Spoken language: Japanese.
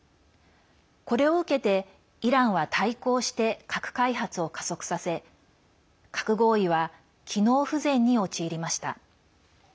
これを受けて、イランは対抗して核開発を加速させ核合意は機能不全に陥りました。